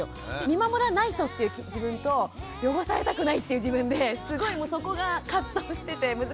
見守らないとっていう自分と汚されたくないっていう自分ですごいもうそこが葛藤してて難しいなと思ってます。